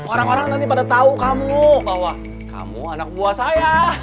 orang orang nanti pada tahu kamu bahwa kamu anak buah saya